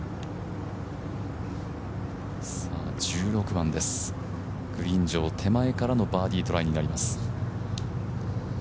１６番です、グリーン上、手前からのバーディートライになります。